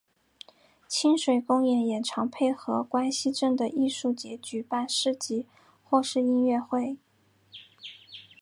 亲水公园也常配合关西镇的艺术节举办市集或是音乐会。